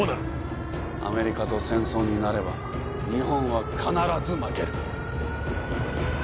アメリカと戦争になれば日本は必ず負ける。